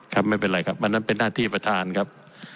ครับไม่เป็นไรครับอันนั้นเป็นหน้าที่ประธานครับ